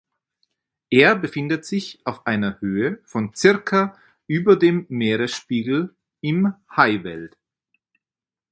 Er befindet sich auf einer Höhe von circa über dem Meeresspiegel im Highveld.